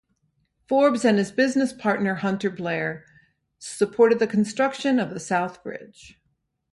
Forbes and his business partner Hunter Blair supported the construction of the South Bridge.